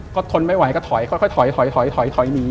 ก็ทนไม่ไหวก็ถอยค่อยหนี